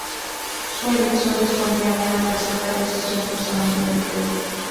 Su elección respondía a una arriesgada decisión personal del Rey.